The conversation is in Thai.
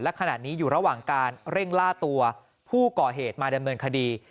และขณะนี้อยู่ระหว่างการเร่งล่าตัวผู้ก่อเหตุมาดำเนินคดี